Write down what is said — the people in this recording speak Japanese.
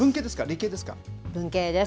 文系です。